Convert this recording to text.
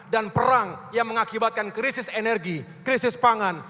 perang yang mengakibatkan krisis energi krisis pangan